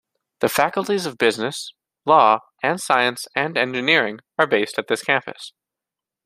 The faculties of Business, Law, and Science and Engineering are based at this campus.